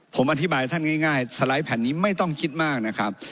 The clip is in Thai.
ผมอธิบายท่านง่ายสไลด์แผ่นนี้ไม่ต้องคิดมากนะครับ